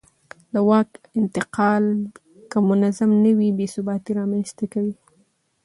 د واک انتقال که منظم نه وي بې ثباتي رامنځته کوي